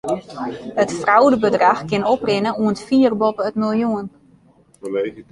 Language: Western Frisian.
It fraudebedrach kin oprinne oant fier boppe it miljoen.